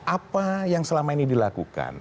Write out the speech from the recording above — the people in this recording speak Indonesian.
apa yang selama ini dilakukan